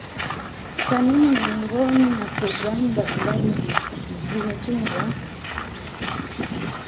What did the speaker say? Kanuni miongozo na programu mbalimbali zimetungwa